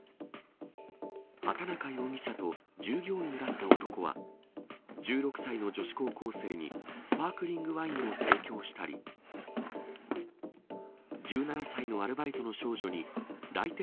畑中容疑者と従業員だった男は、１６歳の女子高校生にスパークリングワインを提供したり、１７歳のアルバイトの少女に来店